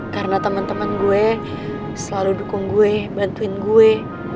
karena temen temen gue selalu dukung gue bantuin gue